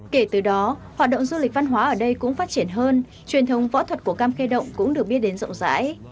kể từ đó hoạt động du lịch văn hóa ở đây cũng phát triển hơn truyền thống võ thuật của cam khe động cũng được biết đến rộng rãi